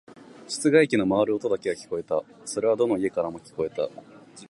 室外機の回る音だけが聞こえた。それはどの家からも聞こえた。